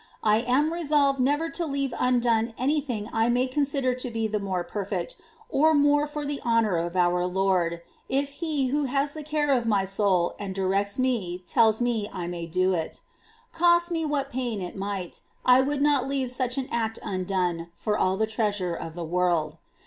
I am resolved never to leave undone any thing I may consider to be the more perfect, or more for the honour of our Lord, if he who has the care of my soul and directs me tells me I may do it. Cost me what pain it might, I would not leave such an act undone for all the treasure of the world.